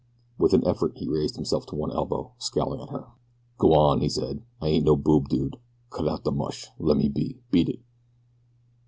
With an effort he raised himself to one elbow, scowling at her. "Gwan," he said; "I ain't no boob dude. Cut out de mush. Lemme be. Beat it!"